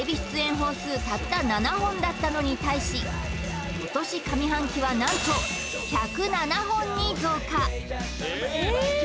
本数たった７本だったのに対し今年上半期はなんと１０７本に増加えーっ？